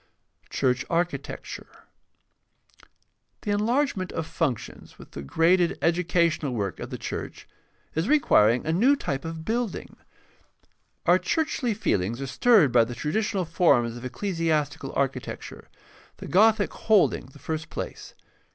4. CHURCH ARCHITECTURE The enlargement of functions, with the graded educa tional work of the church, is requiring a new type of building. Our churchly feelings are stirred by the traditional forms of ecclesiastical architecture, the Gothic holding the first place.